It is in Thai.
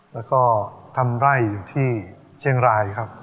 แล้วก็ทำไร่อยู่ที่เชียงรายครับ